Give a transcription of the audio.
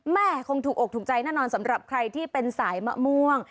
แม่คงถูกอกถูกใจแน่นอนสำหรับใครที่เป็นสายมะม่วง